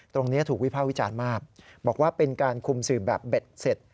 ตรงนี้ถูกวิภาควิจารณ์มากบอกว่าเป็นการคุมสื่อแบบเบ็ดเสร็จ